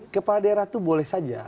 kepala daerah itu boleh saja